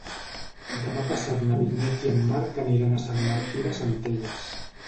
Demà passat na Vinyet i en Marc aniran a Sant Martí de Centelles.